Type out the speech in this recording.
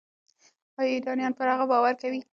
ایا ایرانیان پر هغه باور کوي؟